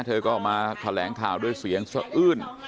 เธอก็มาแหลงข่าวด้วยเสียงเสื้ออื้น